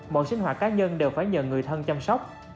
mọi sinh hoạt cá nhân đều phải nhờ người thân chăm sóc